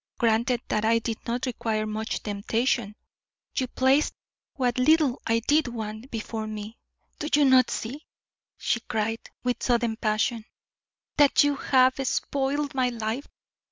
Granted that I did not require much temptation, you placed what little I did want before me. Do you not see," she cried, with sudden passion, "that you have spoiled my life?